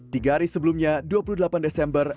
tiga hari sebelumnya dua puluh delapan desember